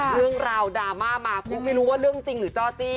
เรื่องราวดราม่ามากุ๊กไม่รู้ว่าเรื่องจริงหรือจ้อจี้